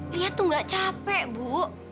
lihat tuh nggak capek ibu